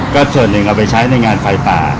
ก็ส่วนหนึ่งเอาไปใช้ในงานไฟป่า